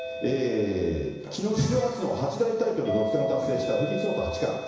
きのう、史上初の八大タイトル独占を達成した藤井聡太八冠。